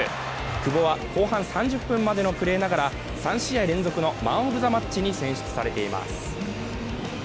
久保は後半３０分までのプレーながら３試合連続のマンオブザマッチに選出されています。